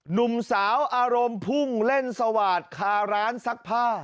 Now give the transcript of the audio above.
หนุ่มสาวอารมณ์พุ่งเล่นสวาดคาร้านซักผ้า